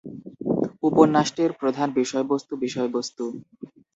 উপন্যাসটির প্রধান বিষয়বস্তু বিষয়বস্তু।